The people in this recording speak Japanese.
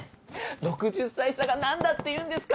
６０歳差がなんだっていうんですか！